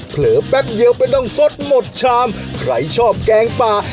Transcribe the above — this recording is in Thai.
เผลอแป๊บเย็บไปต้องสดหมดชามใครชอบแกงปลา